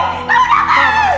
mama tak ikhlas